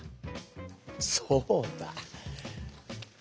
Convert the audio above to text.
そうだ。